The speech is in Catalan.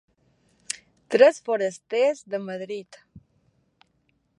Tres forasters de Madrid.